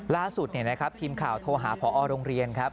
ล่าสุดทีมข่าวโทรหาพอโรงเรียนครับ